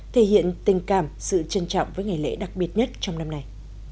thể hiện tình cảm sự trân trọng với ngày lễ đặc biệt nhất trong năm nay